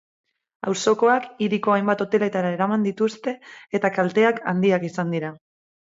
Auzokoak hiriko hainbat hoteletara eraman dituzte eta kalteak handiak izan dira.